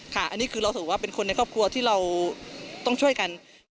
อันนี้คือเราถือว่าเป็นคนในครอบครัวที่เราต้องช่วยกัน